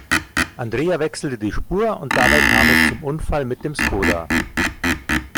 Andrea wechselte die Spur und dabei kam es zum Unfall mit dem Skoda.